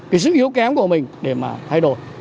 cái sự yếu kém của mình để mà thay đổi